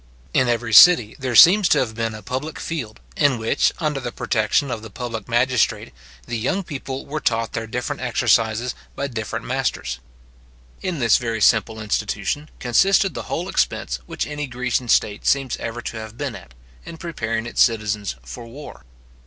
In every city there seems to have been a public field, in which, under the protection of the public magistrate, the young people were taught their different exercises by different masters. In this very simple institution consisted the whole expense which any Grecian state seems ever to have been at, in preparing its citizens for war.